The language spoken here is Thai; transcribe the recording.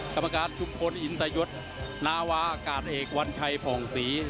กรรมการทุกคนอินทรยศนาวาการเอกวันชัยผ่องศรี